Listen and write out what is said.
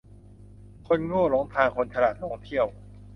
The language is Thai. คนโง่หลงทางคนฉลาดหลงเที่ยว